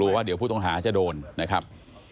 ว่าเดี๋ยวผู้ต้องหาจะโดนนะครับ